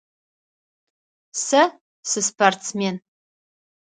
Сэ сыспортсмен.